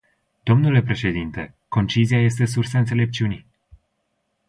Dle președinte, concizia este sursa înțelepciunii.